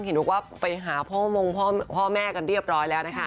เห็นว่าไปหาพ่อมงพ่อแม่กันเรียบร้อยแล้วนะคะ